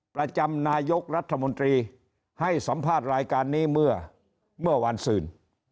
ประจำนายกรัฐมนตรีให้สัมภาษณ์รายการนี้เมื่อวานซื่น